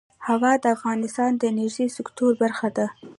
هوا د افغانستان د انرژۍ سکتور برخه ده.